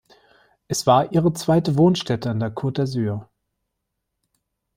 Es war ihre zweite Wohnstätte an der Côte d’Azur.